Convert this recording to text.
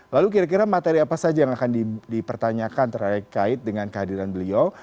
lalu kira kira materi apa saja yang akan dipertanyakan terkait dengan kehadiran beliau